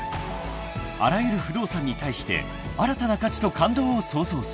［あらゆる不動産に対して新たな価値と感動を創造する］